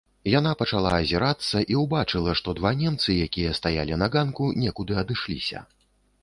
Яна пачала азірацца і ўбачыла, што два немцы, якія стаялі на ганку, некуды адышліся.